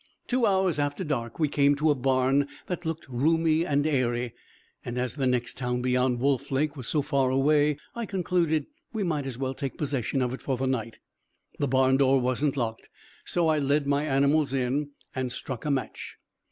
Two hours after dark we came to a barn that looked roomy and airy, and as the next town beyond Wolf Lake was so far away, I concluded we might as well take possession of it for the night. The barn door wasn't locked, so I led my animals in, and struck a match.